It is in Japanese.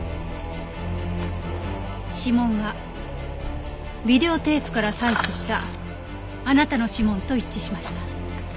指紋はビデオテープから採取したあなたの指紋と一致しました。